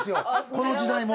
この時代も。